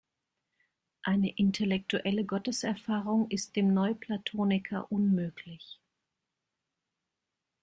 Eine intellektuelle Gotteserfahrung ist dem Neuplatoniker unmöglich.